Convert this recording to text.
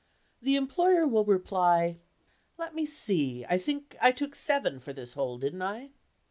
The employer will reply, "Let me see—I think I took seven for this hole, didn't I?"